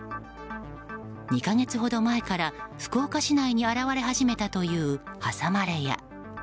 ２カ月ほど前から福岡市内に現れ始めたという挟まれ屋。